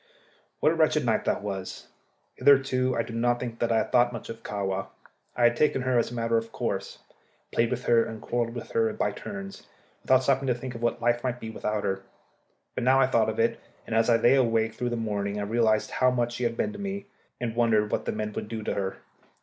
What a wretched night that was! Hitherto I do not think that I had thought much of Kahwa. I had taken her as a matter of course, played with her and quarrelled with her by turns, without stopping to think what life might be without her. But now I thought of it, and as I lay awake through the morning I realized how much she had been to me, and wondered what the men would do with her.